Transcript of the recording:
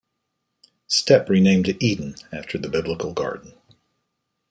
Stepp renamed it Eden after the Biblical garden.